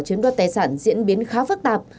chiếm đoạt tài sản diễn biến khá phức tạp